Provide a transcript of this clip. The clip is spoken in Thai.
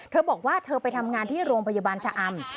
เธอบอกว่าเธอไปทำงานที่โรงพยาบาลชะอำ